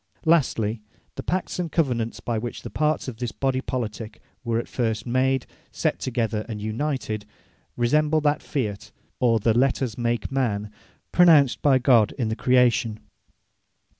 Lastly, the Pacts and Covenants, by which the parts of this Body Politique were at first made, set together, and united, resemble that Fiat, or the Let Us Make Man, pronounced by God in the Creation.